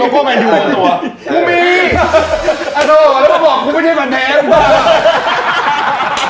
คุณมาแล้วบอกคุณไม่ได้มาแนะ